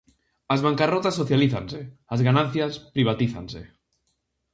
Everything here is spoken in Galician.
As bancarrotas socialízanse, as ganancias privatízanse.